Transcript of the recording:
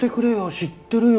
知ってるよ。